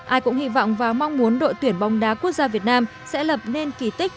ai cũng hy vọng và mong muốn đội tuyển bóng đá quốc gia việt nam sẽ lập nên kỳ tích